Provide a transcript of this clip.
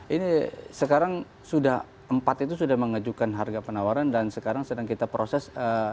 ini sekarang sudah empat itu sudah mengajukan harga penawaran dan sekarang sedang kita proses